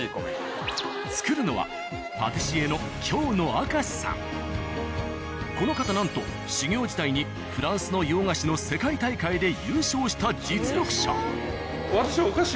作るのはパティシエのこの方なんと修業時代にフランスの洋菓子の世界大会で優勝した実力者。